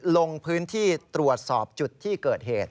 ลงพื้นที่ตรวจสอบจุดที่เกิดเหตุ